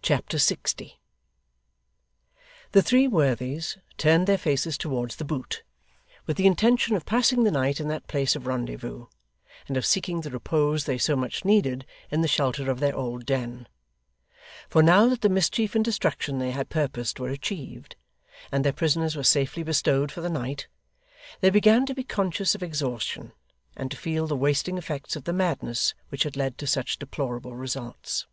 Chapter 60 The three worthies turned their faces towards The Boot, with the intention of passing the night in that place of rendezvous, and of seeking the repose they so much needed in the shelter of their old den; for now that the mischief and destruction they had purposed were achieved, and their prisoners were safely bestowed for the night, they began to be conscious of exhaustion, and to feel the wasting effects of the madness which had led to such deplorable results.